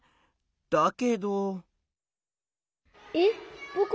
だけど。